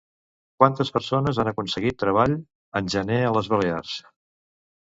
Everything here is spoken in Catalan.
Quantes persones han aconseguit treball en gener a les Balears?